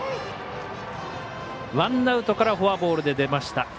ワンアウトからフォアボールで出ました。